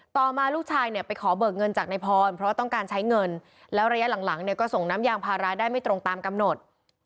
ต่อมาลูกชายเนี่ยไปขอเบิกเงินจากนายพรเพราะว่าต้องการใช้เงินแล้วระยะหลังเนี่ยก็ส่งน้ำยางพาราได้ไม่ตรงตามกำหนด